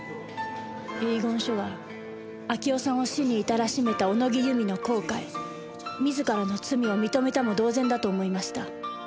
遺言書は明夫さんを死に至らしめた小野木由美の後悔自らの罪を認めたも同然だと思いました。